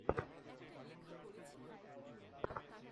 আর তাঁর প্রতিপক্ষ মাটিতে লুটিয়ে ছটফট করছে।